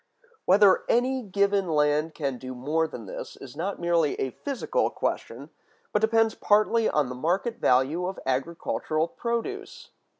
Whether any given land can do more than this is not merely a physical question, but depends partly on the market value of agricultural produce.